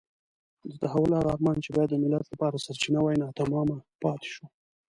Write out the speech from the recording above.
د تحول هغه ارمان چې باید د ملت لپاره سرچینه وای ناتمام پاتې شو.